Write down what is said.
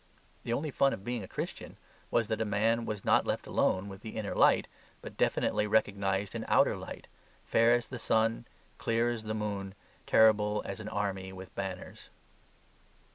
The only fun of being a Christian was that a man was not left alone with the Inner Light, but definitely recognized an outer light, fair as the sun, clear as the moon, terrible as an army with banners.